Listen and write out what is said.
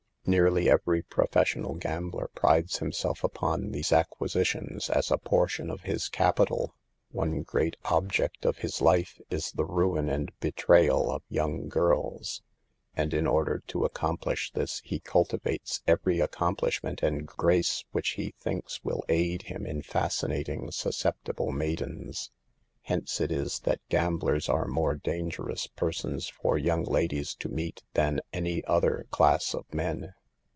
Nearly every professional gambler prides himself upon these acquisitions as a portion of his capital. One great object of his life is the ruin and betrayal of young girls and in order to accomplish this he cultivates every accomplishment and grace which he THE EVILS OF DANCING 67 thinks will aid him in fascinating susceptible maidens. Hence it is that gamblers are more dangerous persons for young ladies to meet than any other class of men.